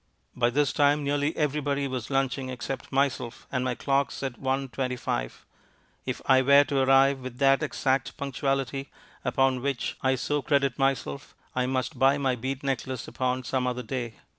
By this time nearly everybody was lunching except myself, and my clock said one twenty five. If I were to arrive with that exact punctuality upon which I so credit myself, I must buy my bead necklace upon some other day.